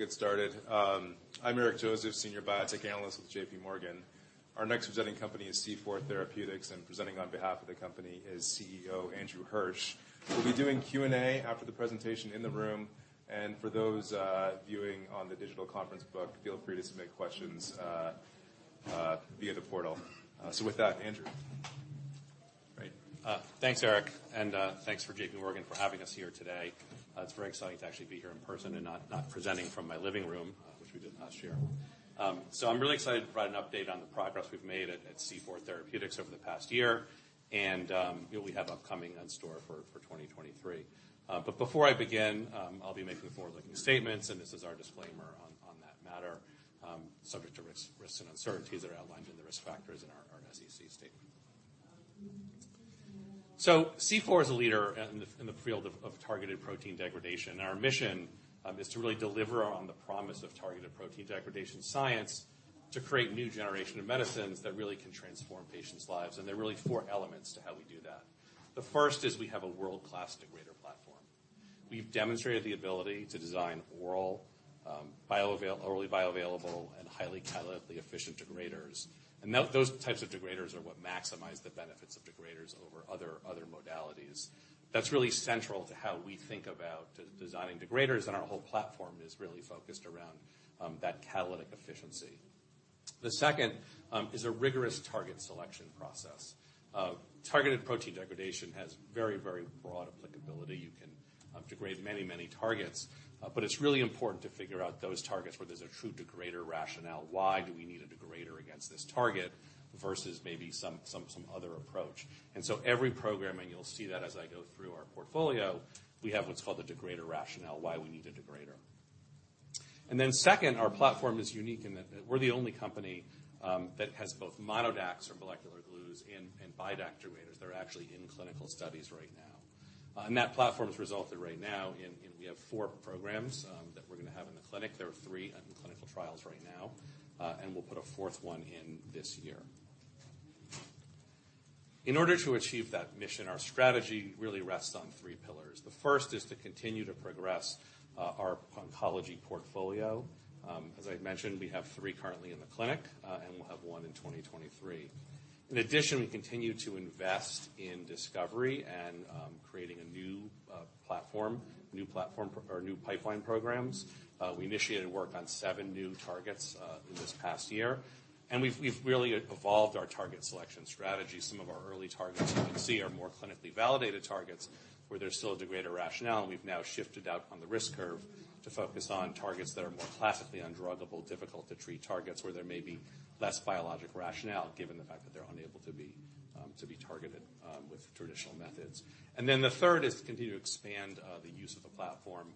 We'll get started. I'm Eric Joseph, Senior Biotech Analyst with JPMorgan. Our next presenting company is C4 Therapeutics, and presenting on behalf of the company is CEO Andrew Hirsch. We'll be doing Q&A after the presentation in the room, and for those viewing on the digital conference book, feel free to submit questions via the portal. With that, Andrew. Great. Thanks, Eric, thanks for JPMorgan for having us here today. It's very exciting to actually be here in person and not presenting from my living room, which we did last year. I'm really excited to provide an update on the progress we've made at C4 Therapeutics over the past year and what we have upcoming in store for 2023. Before I begin, I'll be making forward-looking statements, this is our disclaimer on that matter, subject to risks and uncertainties that are outlined in the risk factors in our SEC statement. C4 is a leader in the field of targeted protein degradation. Our mission is to really deliver on the promise of targeted protein degradation science to create new generation of medicines that really can transform patients' lives. There are really four elements to how we do that. The first is we have a world-class degrader platform. We've demonstrated the ability to design oral, orally bioavailable and highly catalytically efficient degraders. Those types of degraders are what maximize the benefits of degraders over other modalities. That's really central to how we think about designing degraders. Our whole platform is really focused around that catalytic efficiency. The second is a rigorous target selection process. Targeted protein degradation has very broad applicability. You can degrade many targets, but it's really important to figure out those targets where there's a true degrader rationale. Why do we need a degrader against this target versus maybe some other approach? Every program, and you'll see that as I go through our portfolio, we have what's called a degrader rationale, why we need a degrader. Then second, our platform is unique in that we're the only company that has both MonoDACs or molecular glues and BiDAC degraders that are actually in clinical studies right now. That platform has resulted right now in we have four programs that we're gonna have in the clinic. There are three in clinical trials right now, and we'll put a fourth one in this year. In order to achieve that mission, our strategy really rests on three pillars. The first is to continue to progress our oncology portfolio. As I mentioned, we have three currently in the clinic, and we'll have one in 2023. In addition, we continue to invest in discovery and creating new pipeline programs. We initiated work on seven new targets in this past year. We've really evolved our target selection strategy. Some of our early targets you can see are more clinically validated targets where there's still a degrader rationale, and we've now shifted out on the risk curve to focus on targets that are more classically undruggable, difficult to treat targets where there may be less biologic rationale, given the fact that they're unable to be targeted with traditional methods. The third is to continue to expand the use of the platform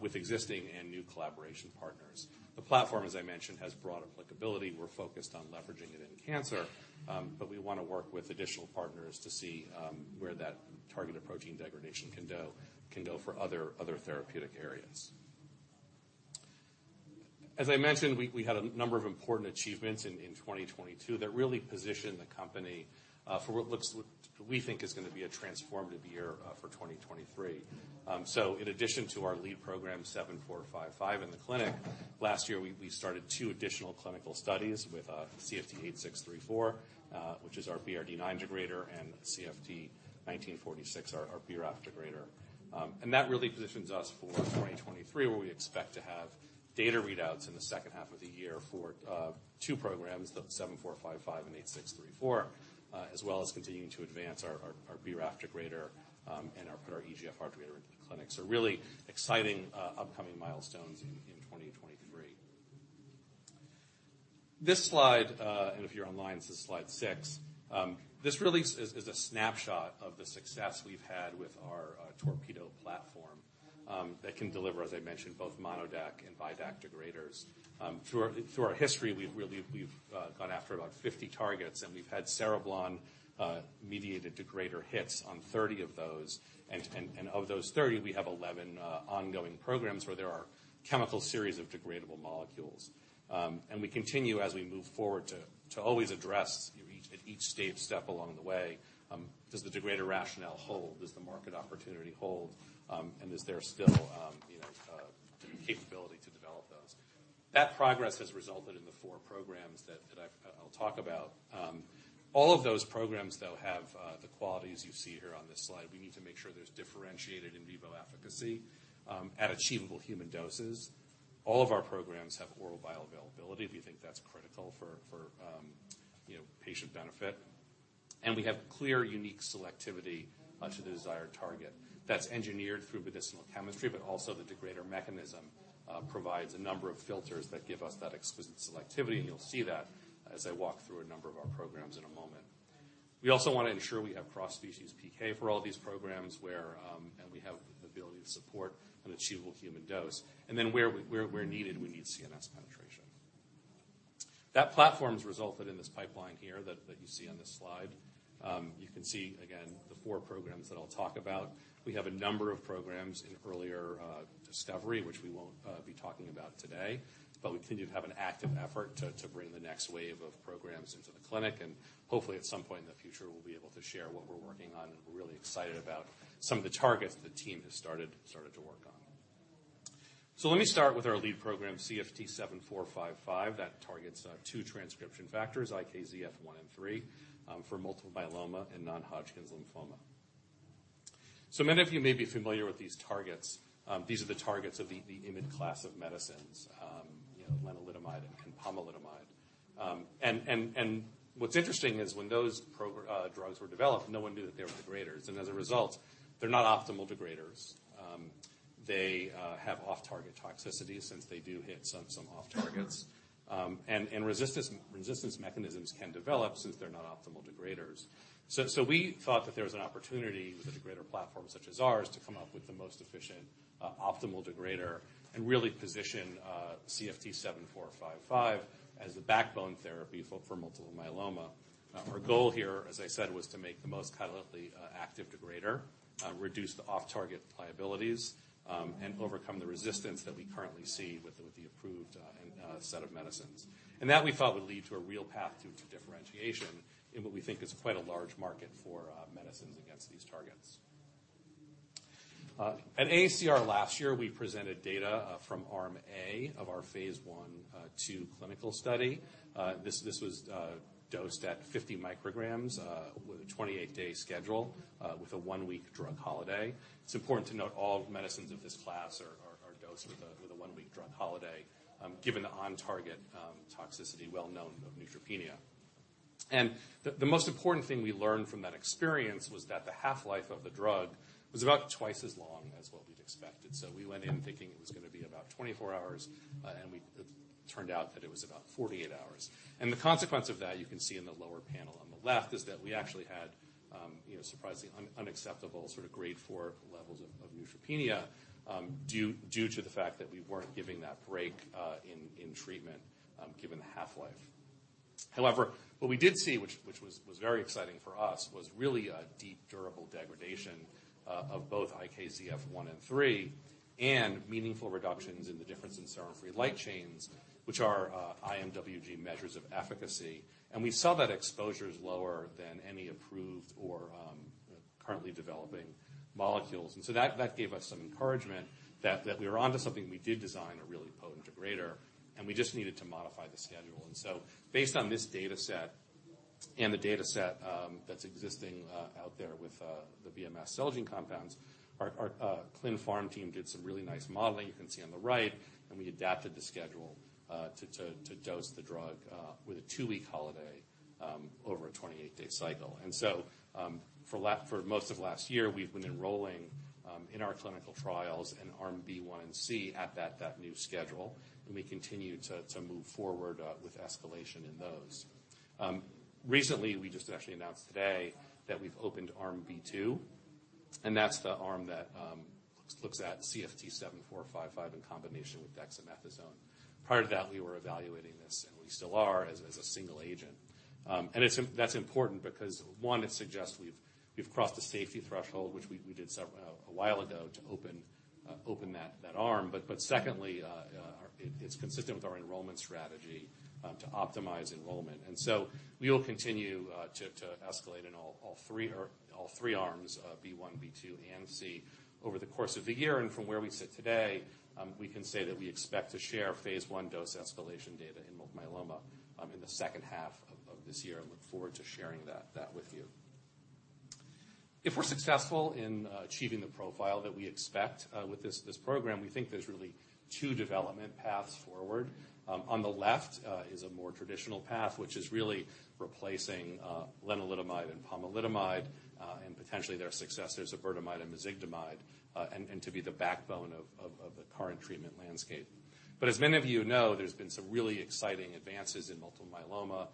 with existing and new collaboration partners. The platform, as I mentioned, has broad applicability. We're focused on leveraging it in cancer, but we wanna work with additional partners to see where that targeted protein degradation can go for other therapeutic areas. As I mentioned, we had a number of important achievements in 2022 that really position the company for what looks like we think is gonna be a transformative year for 2023. In addition to our lead program, CFT7455 in the clinic, last year we started two additional clinical studies with CFT8634, which is our BRD9 degrader and CFT1946, our BRAF degrader. That really positions us for 2023, where we expect to have data readouts in the second half of the year for two programs, the CFT7455 and CFT8634, as well as continuing to advance our BRAF degrader, and put our EGFR degrader into the clinic. Really exciting upcoming milestones in 2023. This slide, if you're online, this is slide six. This really is a snapshot of the success we've had with our TORPEDO platform, that can deliver, as I mentioned, both MonoDAC and BiDAC degraders. Through our history, we've gone after about 50 targets, and we've had Cereblon mediated degrader hits on 30 of those. Of those 30, we have 11 ongoing programs where there are chemical series of degradable molecules. We continue as we move forward to always address at each stage step along the way, does the degrader rationale hold? Does the market opportunity hold? Is there still, you know, capability to develop those? That progress has resulted in the four programs that I'll talk about. All of those programs, though, have the qualities you see here on this slide. We need to make sure there's differentiated in vivo efficacy at achievable human doses. All of our programs have oral bioavailability if you think that's critical for, you know, patient benefit. We have clear, unique selectivity to the desired target. That's engineered through medicinal chemistry, but also the degrader mechanism provides a number of filters that give us that exquisite selectivity, and you'll see that as I walk through a number of our programs in a moment. We also wanna ensure we have cross-species PK for all these programs where, and we have the ability to support an achievable human dose. Where, where needed, we need CNS penetration. That platform's resulted in this pipeline here that you see on this slide. You can see again the four programs that I'll talk about. We have a number of programs in earlier discovery, which we won't be talking about today. We continue to have an active effort to bring the next wave of programs into the clinic, and hopefully at some point in the future, we'll be able to share what we're working on, and we're really excited about some of the targets the team has started to work on. Let me start with our lead program, CFT7455, that targets two transcription factors, IKZF1 and IKZF3, for multiple myeloma and non-Hodgkin's lymphoma. Many of you may be familiar with these targets. These are the targets of the IMiD class of medicines, you know, lenalidomide and pomalidomide. And what's interesting is when those drugs were developed, no one knew that they were degraders. As a result, they're not optimal degraders. They have off-target toxicities since they do hit some off targets. Resistance mechanisms can develop since they're not optimal degraders. We thought that there was an opportunity with a degrader platform such as ours to come up with the most efficient optimal degrader and really position CFT7455 as the backbone therapy for multiple myeloma. Our goal here, as I said, was to make the most catalytically active degrader, reduce the off-target liabilities, and overcome the resistance that we currently see with the approved set of medicines. That we thought would lead to a real path to differentiation in what we think is quite a large market for medicines against these targets. At AACR last year, we presented data from arm A of our phase I, phase II clinical study. This was dosed at 50 micrograms with a 28-day schedule with a one-week drug holiday. It's important to note all medicines of this class are dosed with a one-week drug holiday given the on-target toxicity well known of neutropenia. The most important thing we learned from that experience was that the half-life of the drug was about twice as long as what we'd expected. We went in thinking it was gonna be about 24 hours, and it turned out that it was about 48 hours. The consequence of that, you can see in the lower panel on the left, is that we actually had, you know, surprisingly unacceptable sort of grade four levels of neutropenia, due to the fact that we weren't giving that break in treatment, given the half-life. However, what we did see, which was very exciting for us, was really a deep durable degradation of both IKZF1 and IKZF3 and meaningful reductions in the difference in serum free light chains, which are IMWG measures of efficacy. We saw that exposure is lower than any approved or currently developing molecules. That gave us some encouragement that we were onto something, we did design a really potent degrader, and we just needed to modify the schedule. Based on this data set and the data set, that's existing out there with the Bristol Myers Squibb Celgene compounds, our clinical pharmacology team did some really nice modeling you can see on the right, we adapted the schedule to dose the drug with a two-week holiday over a 28-day cycle. For most of last year, we've been enrolling in our clinical trials in arm B1 and C at that new schedule, and we continue to move forward with escalation in those. Recently, we just actually announced today that we've opened arm B2, and that's the arm that looks at CFT7455 in combination with dexamethasone. Prior to that, we were evaluating this, and we still are as a single agent. That's important because, one, it suggests we've crossed a safety threshold, which we did a while ago to open that arm. Secondly, it's consistent with our enrollment strategy to optimize enrollment. We will continue to escalate in all three arms, B1, B2, and C over the course of the year. From where we sit today, we can say that we expect to share phase I dose escalation data in multiple myeloma in the second half of this year. I look forward to sharing that with you. If we're successful in achieving the profile that we expect with this program, we think there's really two development paths forward. On the left, is a more traditional path, which is really replacing lenalidomide and pomalidomide, and potentially their successors, iberdomide and mezigdomide, to be the backbone of the current treatment landscape. As many of you know, there's been some really exciting advances in multiple myeloma,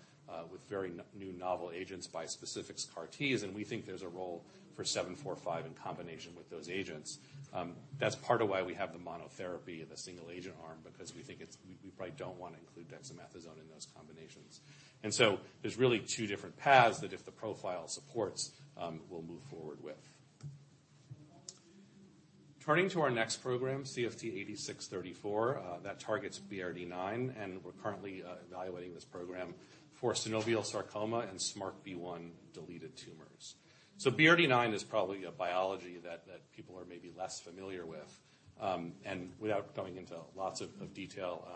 with very new novel agents, bispecific CAR-Ts, and we think there's a role for CFT7455 in combination with those agents. That's part of why we have the monotherapy and the single-agent arm because we probably don't wanna include dexamethasone in those combinations. There's really two different paths that if the profile supports, we'll move forward with. Turning to our next program, CFT8634, that targets BRD9, and we're currently evaluating this program for synovial sarcoma and SMARCB1-deleted tumors. BRD9 is probably a biology that people are maybe less familiar with. Without going into lots of detail,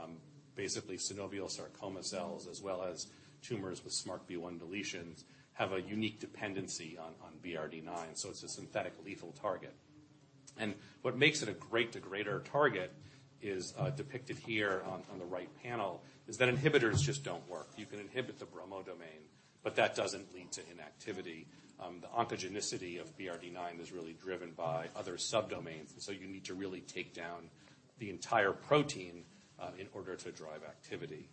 basically, synovial sarcoma cells as well as tumors with SMARCB1 deletions have a unique dependency on BRD9, so it's a synthetic lethal target. What makes it a great degrader target is depicted here on the right panel, is that inhibitors just don't work. You can inhibit the bromodomain, but that doesn't lead to inactivity. The oncogenicity of BRD9 is really driven by other subdomains, you need to really take down the entire protein in order to drive activity.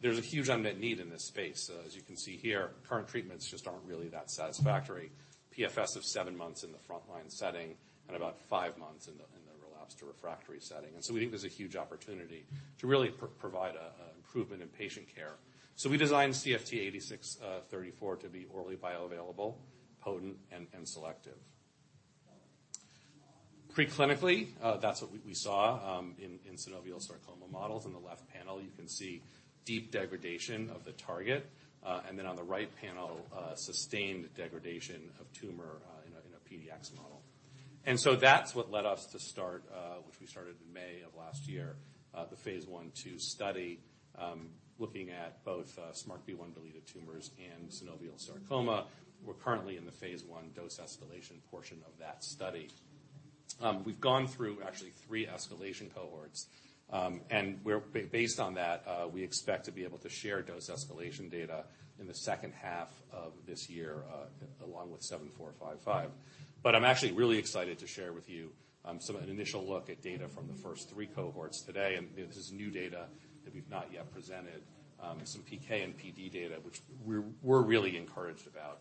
There's a huge unmet need in this space. As you can see here, current treatments just aren't really that satisfactory. PFS of seven months in the front-line setting and about five months in the relapsed to refractory setting. We think there's a huge opportunity to really provide a improvement in patient care. We designed CFT8634 to be orally bioavailable, potent, and selective. Pre-clinically, that's what we saw. In synovial sarcoma models in the left panel, you can see deep degradation of the target, and then on the right panel, sustained degradation of tumor in a PDX model. That's what led us to start, which we started in May of last year, the phase I, phase II study, looking at both SMARCB1-deleted tumors and synovial sarcoma. We're currently in the phase I dose escalation portion of that study. We've gone through actually three escalation cohorts, and based on that, we expect to be able to share dose escalation data in the second half of this year, along with CFT7455. I'm actually really excited to share with you an initial look at data from the first three cohorts today, and this is new data that we've not yet presented, some PK and PD data, which we're really encouraged about.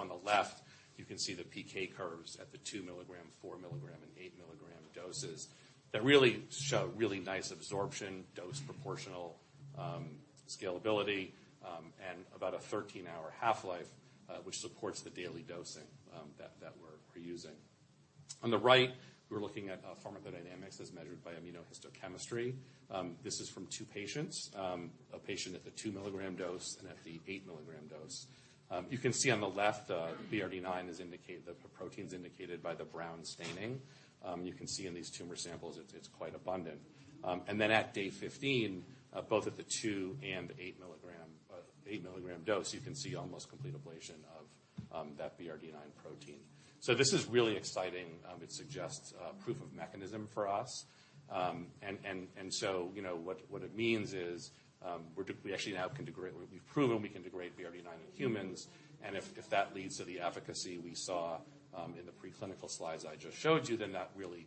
On the left, you can see the PK curves at the 2 mg, 4 mg, and 8 mg doses that really show really nice absorption, dose proportional, scalability, and about a 13-hour half-life, which supports the daily dosing that we're using. On the right, we're looking at pharmacodynamics as measured by immunohistochemistry. This is from two patients, a patient at the 2 mg dose and at the 8 mg dose. You can see on the left, BRD9 is the protein's indicated by the brown staining. You can see in these tumor samples it's quite abundant. At day 15, both at the two and 8 mg dose, you can see almost complete ablation of that BRD9 protein. This is really exciting. It suggests proof of mechanism for us. You know, what it means is, we actually now can degrade BRD9 in humans, and if that leads to the efficacy we saw in the preclinical slides I just showed you, then that really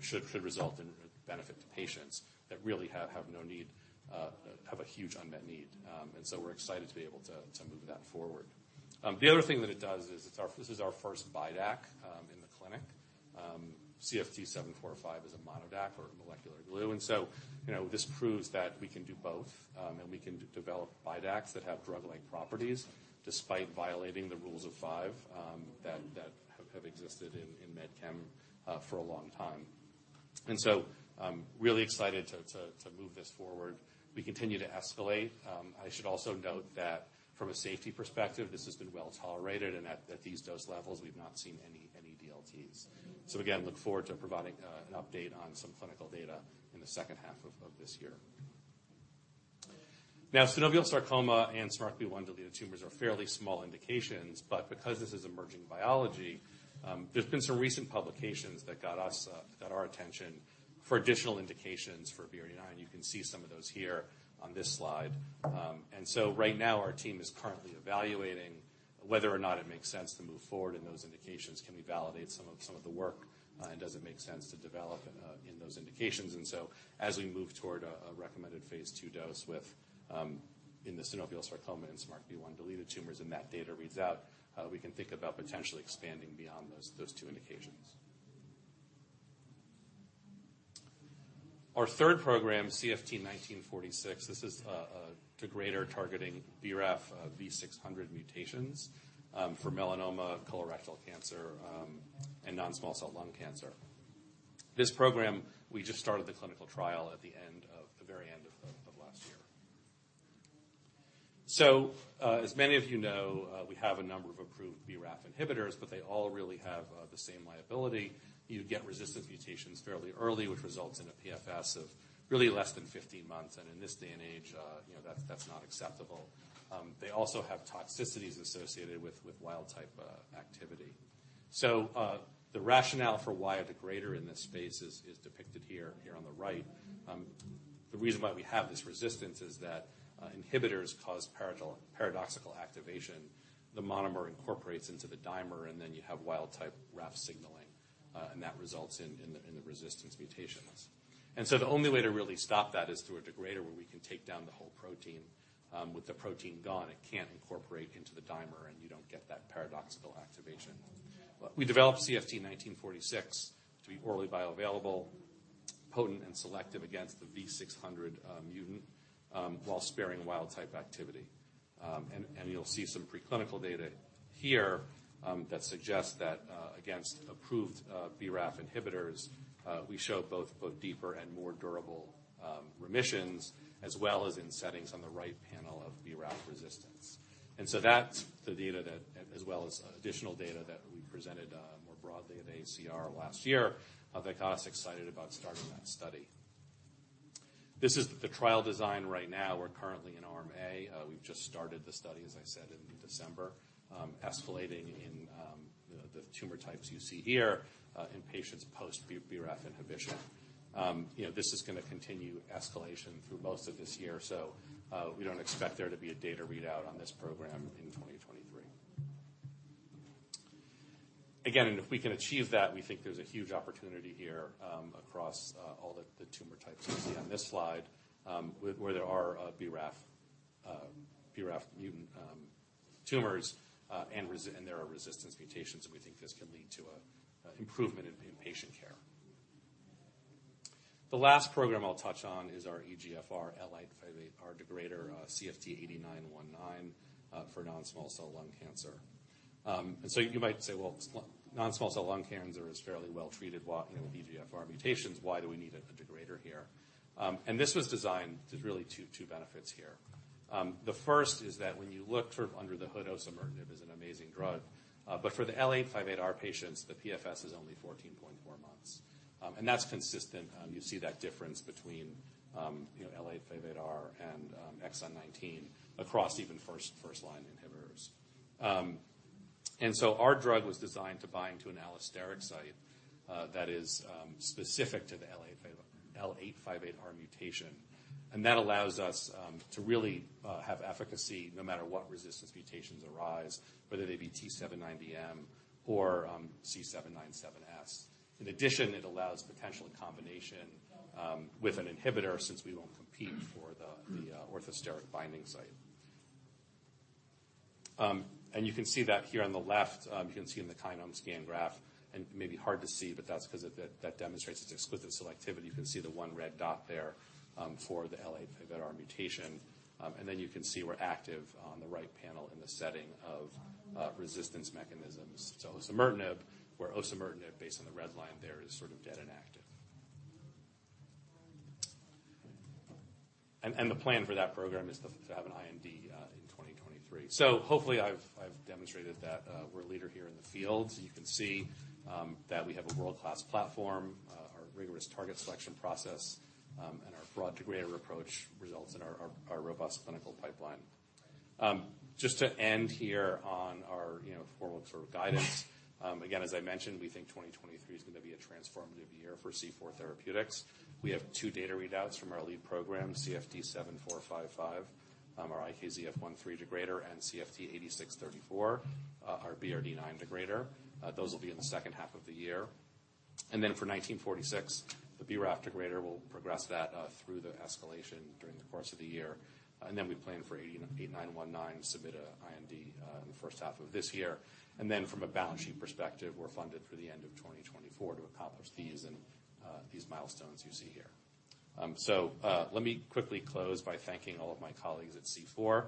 should result in benefit to patients that really have no need, have a huge unmet need. We're excited to be able to move that forward. The other thing that it does is this is our first BiDAC in the clinic. CFT7455 is a MonoDAC or a molecular glue. You know, this proves that we can do both, and we can de-develop BiDAC's that have drug-like properties despite violating the rules of five, that have existed in med chem for a long time. I'm really excited to move this forward. We continue to escalate. I should also note that from a safety perspective, this has been well-tolerated and at these dose levels we've not seen any DLTs. Again, look forward to providing an update on some clinical data in the second half of this year. Synovial sarcoma and SMARCB1-deleted tumors are fairly small indications, but because this is emerging biology, there's been some recent publications that got us got our attention for additional indications for BRD9. You can see some of those here on this slide. Right now our team is currently evaluating whether or not it makes sense to move forward in those indications. Can we validate some of the work and does it make sense to develop in those indications? As we move toward a recommended phase II dose with in the synovial sarcoma and SMARCB1-deleted tumors, and that data reads out, we can think about potentially expanding beyond those two indications. Our third program, CFT1946, this is a degrader targeting BRAF V600 mutations for melanoma, colorectal cancer, and non-small cell lung cancer. This program, we just started the clinical trial the very end of last year. As many of you know, we have a number of approved BRAF inhibitors, but they all really have the same liability. You get resistant mutations fairly early, which results in a PFS of really less than 15 months, and in this day and age, you know, that's not acceptable. They also have toxicities associated with wild-type activity. The rationale for why a degrader in this space is depicted here on the right. The reason why we have this resistance is that inhibitors cause paradoxical activation. The monomer incorporates into the dimer, and then you have wild-type RAF signaling, and that results in the resistance mutations. The only way to really stop that is through a degrader where we can take down the whole protein. With the protein gone, it can't incorporate into the dimer, and you don't get that paradoxical activation. We developed CFT1946 to be orally bioavailable, potent, and selective against the V600 mutant while sparing wild-type activity. You'll see some preclinical data here that suggests that against approved BRAF inhibitors, we show both deeper and more durable remissions, as well as in settings on the right panel of BRAF resistance. That's the data that as well as additional data that we presented more broadly at AACR last year that got us excited about starting that study. This is the trial design right now. We're currently in Arm-A. We've just started the study, as I said, in December, escalating in the tumor types you see here in patients post BRAF inhibition. You know, this is gonna continue escalation through most of this year, so we don't expect there to be a data readout on this program in 2023. Again, and if we can achieve that, we think there's a huge opportunity here across all the tumor types you see on this slide, where there are BRAF mutant tumors, and there are resistance mutations, and we think this can lead to a improvement in patient care. The last program I'll touch on is our EGFR L858R degrader, CFT8919, for non-small cell lung cancer. You might say, well, non-small cell lung cancer is fairly well treated with EGFR mutations. Why do we need a degrader here? This was designed to really two benefits here. The first is that when you look sort of under the hood, osimertinib is an amazing drug. For the L858R patients, the PFS is only 14.4 months. That's consistent. You see that difference between, you know, L858R and exon nineteen across even first line inhibitors. Our drug was designed to bind to an allosteric site that is specific to the L858R mutation. That allows us to really have efficacy no matter what resistance mutations arise, whether they be T790M or C797S. In addition, it allows potential in combination with an inhibitor since we won't compete for the orthosteric binding site. You can see that here on the left, you can see in the KINOMEscan graph, it may be hard to see, but that demonstrates its exclusive selectivity. You can see the one red dot there, for the L858R mutation. You can see we're active on the right panel in the setting of resistance mechanisms. Osimertinib, where osimertinib, based on the red line there, is sort of dead inactive. The plan for that program is to have an IND in 2023. Hopefully I've demonstrated that we're a leader here in the field. You can see that we have a world-class platform, our rigorous target selection process, our broad degrader approach results in our robust clinical pipeline. Just to end here on our, you know, forward sort of guidance. Again, as I mentioned, we think 2023 is gonna be a transformative year for C4 Therapeutics. We have two data readouts from our lead program, CFT7455, our IKZF1/3 degrader, and CFT8634, our BRD9 degrader. Those will be in the second half of the year. For CFT1946, the BRAF degrader will progress that through the escalation during the course of the year. We plan for CFT8919 submit a IND in the first half of this year. From a balance sheet perspective, we're funded through the end of 2024 to accomplish these and these milestones you see here. Let me quickly close by thanking all of my colleagues at C4.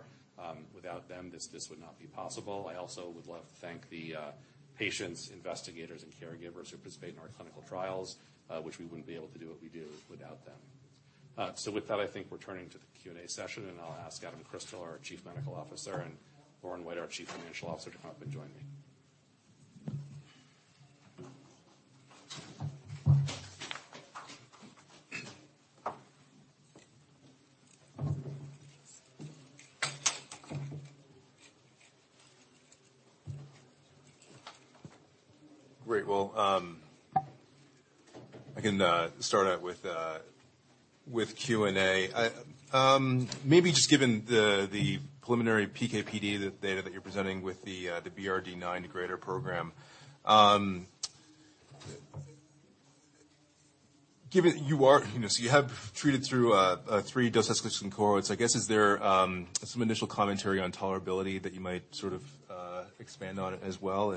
Without them, this would not be possible. I also would love to thank the patients, investigators, and caregivers who participate in our clinical trials, which we wouldn't be able to do what we do without them. With that, I think we're turning to the Q&A session, and I'll ask Adam Crystal, our Chief Medical Officer, and Lauren White, our Chief Financial Officer, to come up and join me. Great. Well, I can start out with Q&A. I, maybe just given the preliminary PK/PD data that you're presenting with the BRD9 degrader program, you have treated through three dose escalation cohorts. I guess, is there some initial commentary on tolerability that you might sort of expand on as well?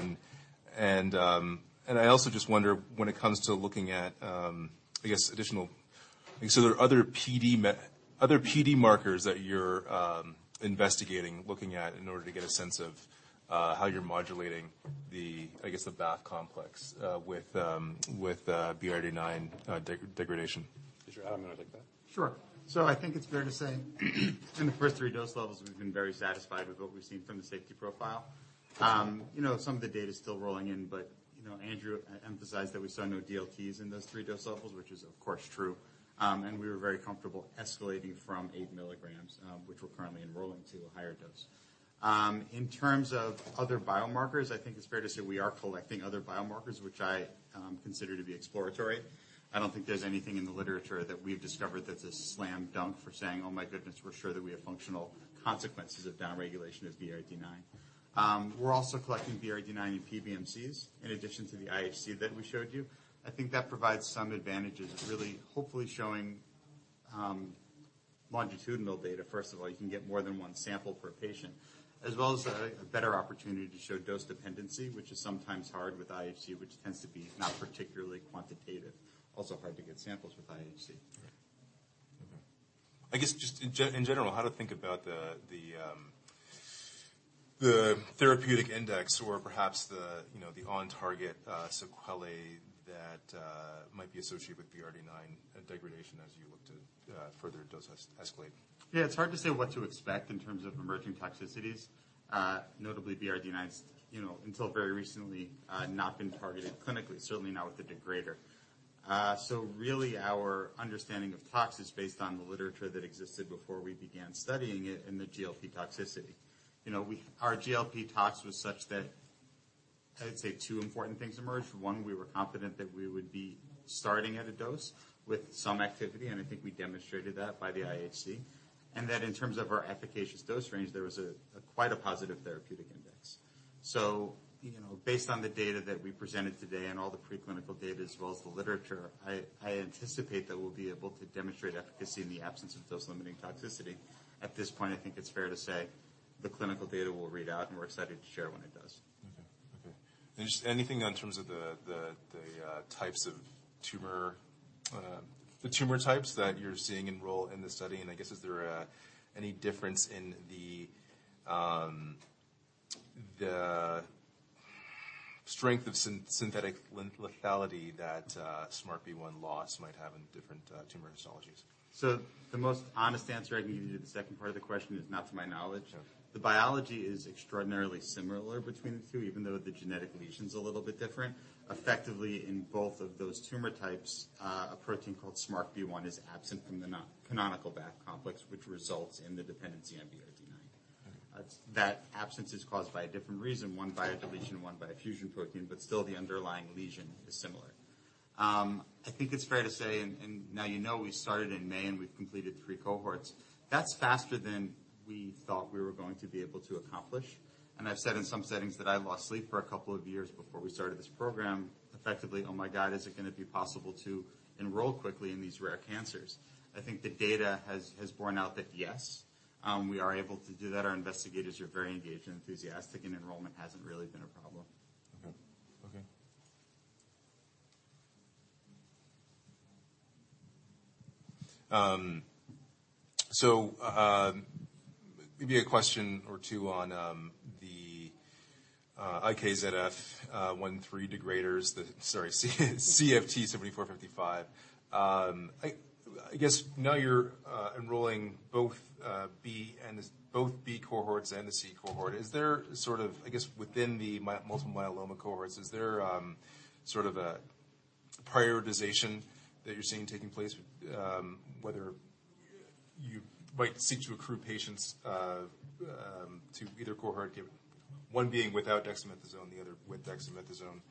I also just wonder when it comes to looking at, I guess, there are other PD markers that you're investigating, looking at in order to get a sense of how you're modulating the, I guess, the BAF complex, with BRD9 degradation. Adam, you wanna take that? Sure. I think it's fair to say in the first three dose levels, we've been very satisfied with what we've seen from the safety profile. You know, some of the data is still rolling in, but, you know, Andrew emphasized that we saw no DLTs in those three dose levels, which is of course true. And we were very comfortable escalating from 8 mg, which we're currently enrolling to a higher dose. In terms of other biomarkers, I think it's fair to say we are collecting other biomarkers, which I consider to be exploratory. I don't think there's anything in the literature that we've discovered that's a slam dunk for saying, "Oh my goodness, we're sure that we have functional consequences of downregulation of BRD9." We're also collecting BRD9 in PBMCs in addition to the IHC that we showed you. I think that provides some advantages of really hopefully showing longitudinal data. First of all, you can get more than one sample per patient, as well as a better opportunity to show dose dependency, which is sometimes hard with IHC, which tends to be not particularly quantitative. Also hard to get samples with IHC. Right. Okay. I guess just in general, how to think about the therapeutic index or perhaps the, you know, the on target, sequelae that might be associated with BRD9 degradation as you look to further dose escalate. Yeah, it's hard to say what to expect in terms of emerging toxicities. Notably BRD9's, you know, until very recently, not been targeted clinically, certainly not with a degrader. Really our understanding of tox is based on the literature that existed before we began studying it and the GLP toxicology. You know, our GLP toxicology was such that I'd say two important things emerged. One, we were confident that we would be starting at a dose with some activity, and I think we demonstrated that by the IHC. In terms of our efficacious dose range, there was a, quite a positive therapeutic index. You know, based on the data that we presented today and all the preclinical data as well as the literature, I anticipate that we'll be able to demonstrate efficacy in the absence of dose-limiting toxicity. At this point, I think it's fair to say the clinical data will read out, and we're excited to share when it does. Okay. Just anything in terms of the tumor types that you're seeing enroll in the study, and I guess is there any difference in the strength of synthetic lethality that SMARCA4 loss might have in different tumor histologies? The most honest answer I can give you to the second part of the question is not to my knowledge. Okay. The biology is extraordinarily similar between the two, even though the genetic lesion's a little bit different. Effectively, in both of those tumor types, a protein called SMARCA4 is absent from the non-canonical BAF complex, which results in the dependency on BRD9. Okay. That absence is caused by a different reason, one by a deletion, one by a fusion protein, but still the underlying lesion is similar. I think it's fair to say and now you know we started in May, and we've completed three cohorts. That's faster than we thought we were going to be able to accomplish. I've said in some settings that I lost sleep for a couple of years before we started this program. Effectively, oh my God, is it gonna be possible to enroll quickly in these rare cancers? I think the data has borne out that yes, we are able to do that. Our investigators are very engaged and enthusiastic; enrollment hasn't really been a problem. Okay. Okay. Maybe a question or two on the IKZF1, IKZF3 degraders, CFT7455. I guess now you're enrolling both B cohorts and the C cohort. Is there sort of, I guess, within the multiple myeloma cohorts, is there sort of a prioritization that you're seeing taking place? Whether you might seek to accrue patients to either cohort give one being without dexamethasone, the other with dexamethasone.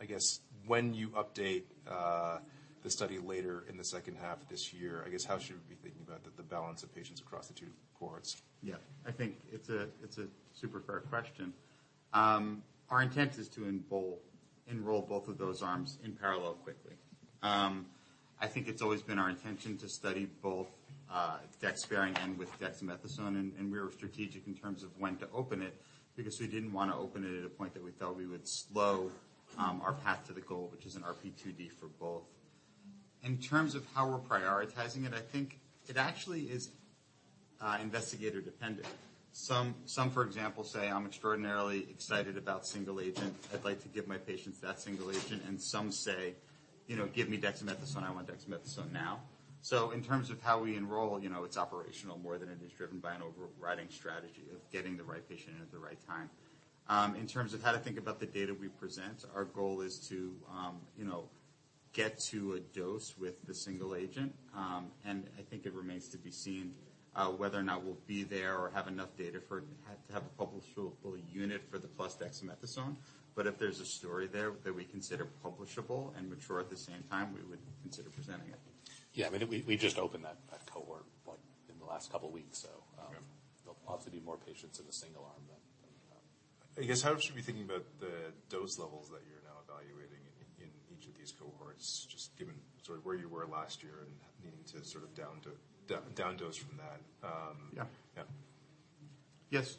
I guess when you update the study later in the second half of this year, I guess how should we be thinking about the balance of patients across the two cohorts? Yeah. I think it's a, it's a super fair question. Our intent is to enroll both of those arms in parallel quickly. I think it's always been our intention to study both, dex-sparing and with dexamethasone, and we were strategic in terms of when to open it because we didn't wanna open it at a point that we felt we would slow, our path to the goal, which is an RP2D for both. In terms of how we're prioritizing it, I think it actually is, investigator dependent. Some, for example, say, "I'm extraordinarily excited about single agent. I'd like to give my patients that single agent." Some say, you know, "Give me dexamethasone. I want dexamethasone now." In terms of how we enroll, you know, it's operational more than it is driven by an overriding strategy of getting the right patient in at the right time. In terms of how to think about the data we present, our goal is to, you know, get to a dose with the single agent. I think it remains to be seen whether or not we'll be there or have enough data for a publishable unit for the plus dexamethasone. If there's a story there that we consider publishable and mature at the same time, we would consider presenting it. Yeah. I mean, we just opened that cohort, like, in the last couple weeks. Okay. there'll possibly be more patients in the single arm than. I guess, how should we be thinking about the dose levels that you're now evaluating in each of these cohorts, just given sort of where you were last year and needing to sort of down dose from that? Yeah. Yeah. Yes.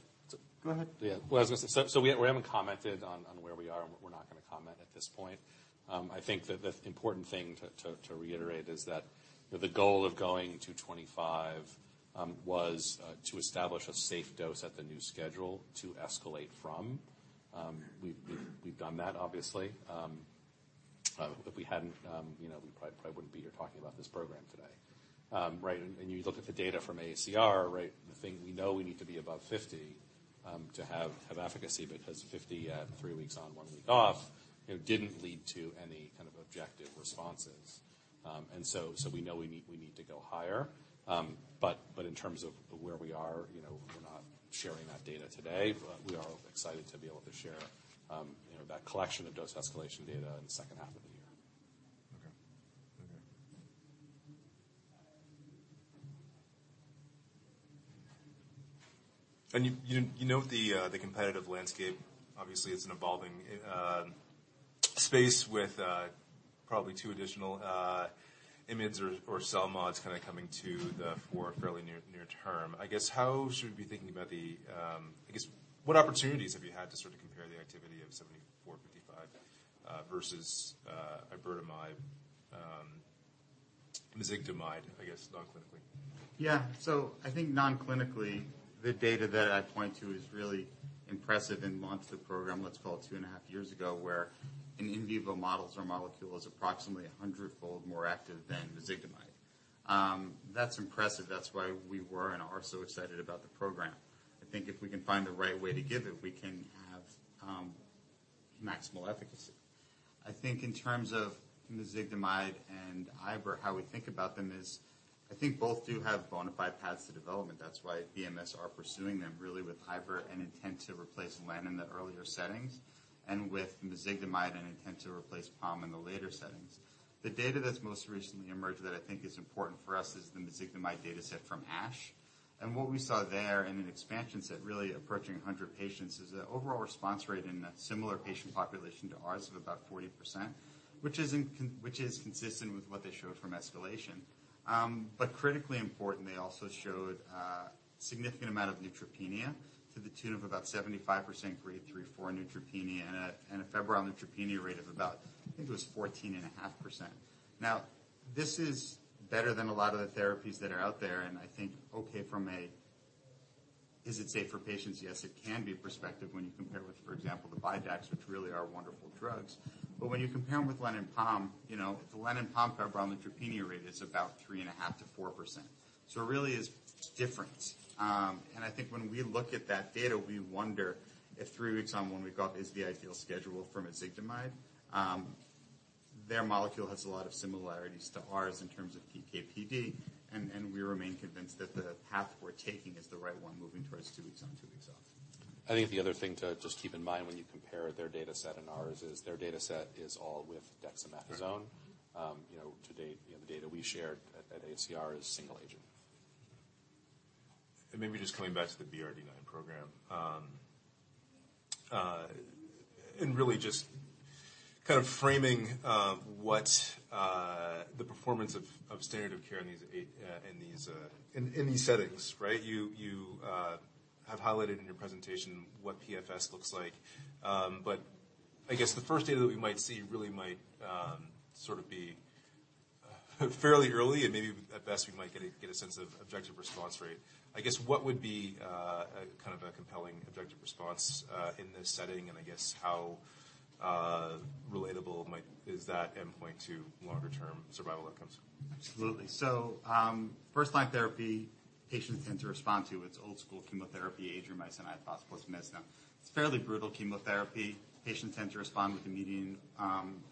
Go ahead. Well, I was gonna say, so we haven't commented on where we are, and we're not gonna comment at this point. I think that the important thing to reiterate is that the goal of going to 25 was to establish a safe dose at the new schedule to escalate from. We've done that obviously. If we hadn't, you know, we probably wouldn't be here talking about this program today, right? You look at the data from AACR, right? The thing we know we need to be above 50 to have efficacy because 50 at three weeks on, one week off, you know, didn't lead to any kind of objective responses. So, we know we need to go higher. But in terms of where we are, you know, we're not sharing that data today. We are excited to be able to share, you know, that collection of dose escalation data in the second half of the year. Okay. Okay. You, you know the competitive landscape, obviously, it's an evolving space with probably two additional IMiDs or CELMoDs kinda coming to the fore fairly near term. I guess how should we be thinking about the, I guess, what opportunities have you had to sort of compare the activity of CFT7455 versus iberdomide, mezigdomide, I guess, non-clinically? I think non-clinically, the data that I point to is really impressive and launched the program, let's call it two and a half years ago, wherein in vivo models or molecules, approximately 100-fold more active than mezigdomide. That's impressive. That's why we were and are so excited about the program. I think if we can find the right way to give it, we can have maximal efficacy. I think in terms of mezigdomide and iber, how we think about them is I think both do have bona fide paths to development. That's why BMS are pursuing them really with iber and intent to replace len in the earlier settings, and with mezigdomide and intent to replace pom in the later settings. The data that's most recently emerged that I think is important for us is the mezigdomide dataset from ASH. What we saw there in an expansion set, really approaching 100 patients, is the overall response rate in a similar patient population to ours of about 40%, which is consistent with what they showed from escalation. Critically important, they also showed a significant amount of neutropenia. To the tune of about 75% grade three, four neutropenia and a febrile neutropenia rate of about, I think it was 14.5%. This is better than a lot of the therapies that are out there, and I think okay from a is it safe for patients, yes, it can be perspective when you compare with, for example, the BiDAC, which really are wonderful drugs. When you compare them with Len and Pom, you know, the Len and Pom febrile neutropenia rate is about 3.5% to 4%. It really is different. I think when we look at that data, we wonder if three weeks on one week off is the ideal schedule from CFT7455. Their molecule has a lot of similarities to ours in terms of PK/PD, and we remain convinced that the path we're taking is the right one moving towards two weeks on, two weeks off. I think the other thing to just keep in mind when you compare their data set and ours is their data set is all with dexamethasone. You know, to date, you know, the data we shared at AACR is single agent. Maybe just coming back to the BRD9 program. Really just kind of framing what the performance of standard of care in these settings, right? You have highlighted in your presentation what PFS looks like. I guess the first data that we might see really might sort of be fairly early and maybe at best we might get a sense of objective response rate. I guess what would be kind of a compelling objective response in this setting? I guess how relatable is that endpoint to longer term survival outcomes? Absolutely. First line therapy patients tend to respond to its old school chemotherapy, Adriamycin, Ifosfamide, plus Mesna. It's fairly brutal chemotherapy. Patients tend to respond with a median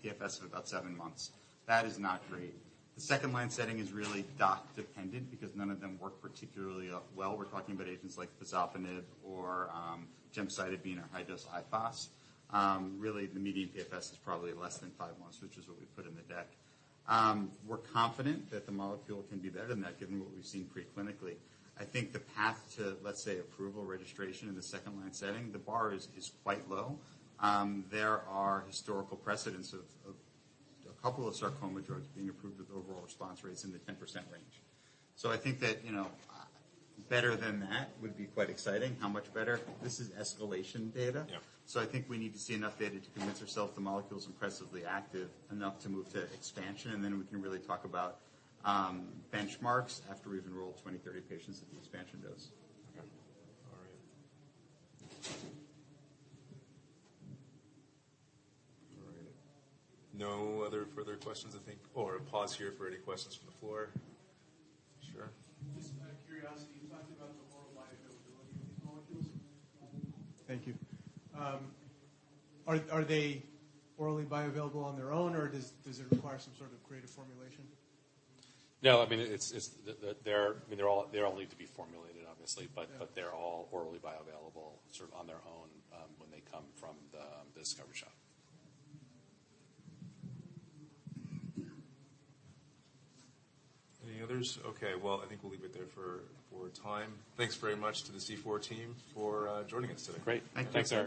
PFS of about seven months. That is not great. The second line setting is really doc dependent because none of them work particularly well. We're talking about agents like pazopanib or gemcitabine or high dose Ifosfamide. Really, the median PFS is probably less than five months, which is what we put in the deck. We're confident that the molecule can do better than that, given what we've seen pre-clinically. I think the path to, let's say, approval registration in the second line setting the bar is quite low. There are historical precedents of a couple of sarcoma drugs being approved with overall response rates in the 10% range.I think that, you know, better than that would be quite exciting. How much better? This is escalation data. Yeah. I think we need to see enough data to convince ourselves the molecule's impressively active enough to move to expansion, and then we can really talk about benchmarks after we've enrolled 20, 30 patients at the expansion dose. Okay. All right. All right. No other further questions, I think. Pause here for any questions from the floor. Sure. Just out of curiosity, you talked about the oral bioavailability of these molecules. Thank you. Are they orally bioavailable on their own or does it require some sort of creative formulation? No, I mean, it's I mean, they all need to be formulated obviously, but. Yeah. They're all orally bioavailable sort of on their own, when they come from the discovery shop. Any others? Okay, well, I think we'll leave it there for time. Thanks very much to the C4 team for joining us today. Great. Thank you. Thanks, Eric.